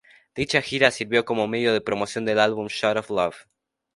Dicha gira sirvió como medio de promoción del álbum "Shot of Love".